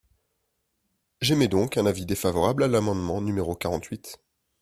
J’émets donc un avis défavorable à l’amendement numéro quarante-huit.